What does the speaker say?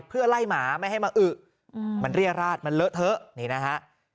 เพื่อไล่หมาไม่ให้มาอึมันเรียราชมันเลอะเทอะนี่นะฮะ